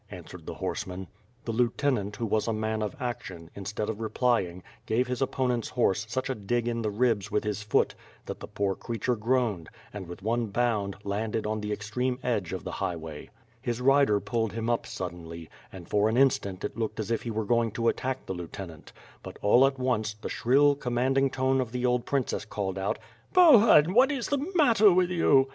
answered the horseman. The lieutenant who was a man of action, instead of reply ing, gave his opponent's horse such a dig in the ribs with his foot that the poor creature groaned, and with one bound, landed on the extreme edge of the highway. His rider pulled him up suddenly; and for an instant it looked as if he were going to attack the lieutenant; but all at once, the shrill, commanding tone of the old princess called out: • "Bohun, what is the matter with you?" WITH FIRE AND SWORD.